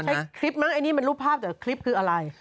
ใช่คลิปมั้ยอันนี้เป็นรูปภาพแต่คลิปคืออะไร